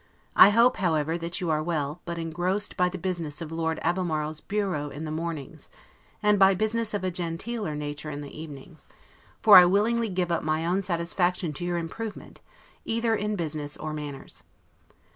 I hope, however, that you are well, but engrossed by the business of Lord Albemarle's 'bureau' in the mornings, and by business of a genteeler nature in the evenings; for I willingly give up my own satisfaction to your improvement, either in business or manners.